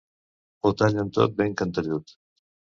Ho tallen tot ben cantellut.